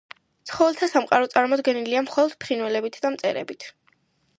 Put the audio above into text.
ცხოველთა სამყარო წარმოდგენილია მხოლოდ ფრინველებით და მწერებით.